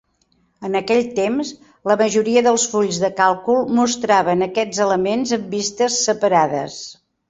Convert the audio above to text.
En aquell temps, la majoria dels fulls de càlcul mostraven aquests elements en vistes separades.